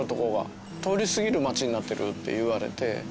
通り過ぎる町になってるって言われて。